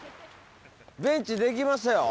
ベンチできましたよ。